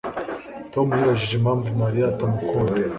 Tom yibajije impamvu Mariya atamukunda